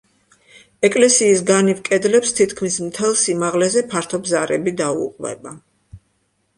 ეკლესიის განივ კედლებს თითქმის მთელ სიმაღლეზე, ფართო ბზარები დაუყვება.